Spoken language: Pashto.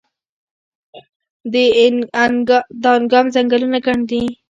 دانګام ځنګلونه ګڼ دي؟